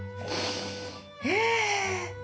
へえ。